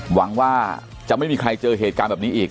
หวังว่าจะไม่มีใครเจอเหตุการณ์แบบนี้อีก